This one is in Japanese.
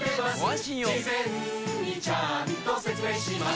事前にちゃんと説明します